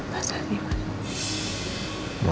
masa sih mas